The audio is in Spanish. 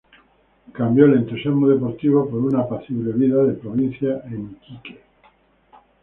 Cambió el entusiasmo deportivo por una apacible vida de provincia en Iquique.